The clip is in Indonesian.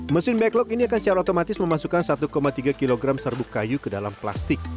mesin backlog ini akan secara otomatis memasukkan satu tiga kg serbuk kayu ke dalam plastik